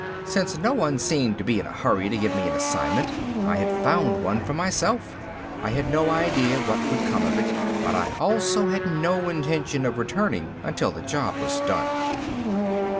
Since no one seemed to be in a hurry to give me an assignment I had found one for myself. I had no idea of what would come if it, but I also had no intention of returning until the job was done.